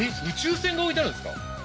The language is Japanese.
宇宙船が置いてあるんですか？